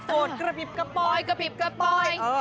โฟตกระปิบกระปอย